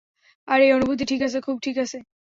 আর এই অনুভূতি ঠিক আছে, খুব ঠিক আছে।